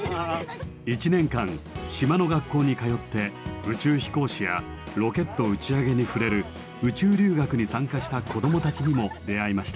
１年間島の学校に通って宇宙飛行士やロケット打ち上げに触れる宇宙留学に参加した子どもたちにも出会いました。